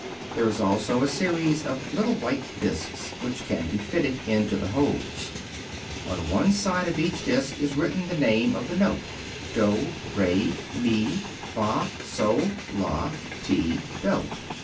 There is also a series of little white discs which can be fitted into the holes. On one side of each disc is written the name of the note (doh, re, mi, fah, soh, lah, ti, doh).